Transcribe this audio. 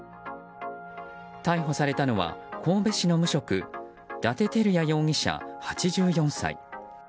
逮捕されたのは神戸市の無職伊達昭也容疑者、８４歳。